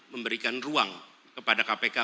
memberikan ruang kepada kpk